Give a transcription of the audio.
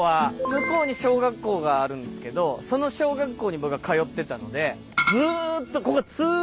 向こうに小学校があるんすけどその小学校に僕は通ってたのでずっとここ通学路でもあったんで。